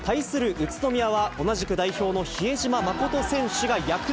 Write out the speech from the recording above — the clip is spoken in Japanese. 宇都宮は、同じく代表の比江島慎選手が躍動。